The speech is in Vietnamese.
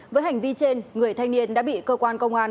với hành vi trên người thanh niên đã bị cơ quan công an